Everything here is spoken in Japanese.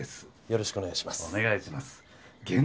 よろしくお願いします。